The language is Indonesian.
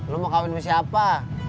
lo mau kawin bersiapa